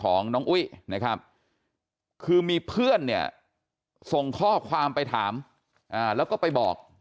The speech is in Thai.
ของน้องอุ้ยนะครับคือมีเพื่อนเนี่ยส่งข้อความไปถามแล้วก็ไปบอก